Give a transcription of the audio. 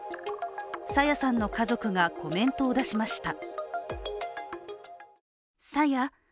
朝芽さんの家族がコメントを出しました。